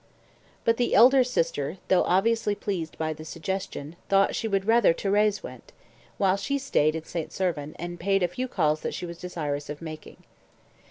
But the elder sister, though obviously pleased by the suggestion, thought she would rather "Thérèse" went, while she stayed in St. Servan and paid a few calls that she was desirous of making.